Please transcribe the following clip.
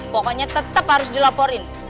pokoknya tetep harus dilaporin